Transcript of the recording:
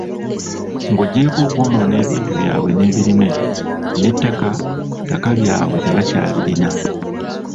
Ng'oggyeko okwonoona ebintu byabwe n'ebirime, n'ettaka ttaka lyabwe tebakyalirina.